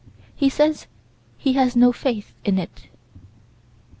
He says he has no faith in it.